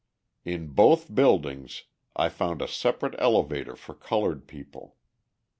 In both buildings, I found a separate elevator for coloured people.